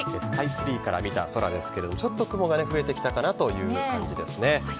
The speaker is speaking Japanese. スカイツリーから見た空ですけれども、ちょっと雲が増えてきたかなという感じですね。